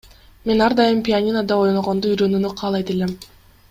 Мен ар дайым пианинодо ойногонду үйрөнүүнү каалайт элем.